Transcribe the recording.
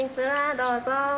どうぞ。